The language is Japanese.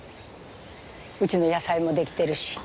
うちの野菜も出来てるし。